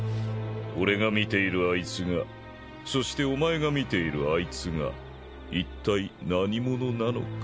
俺が見ているあいつがそしてお前が見ているあいつがいったい何者なのか。